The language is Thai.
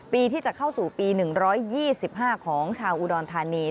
ปีที่จะเข้าสู่ปี๑๒๕ของชาวอุดรธานี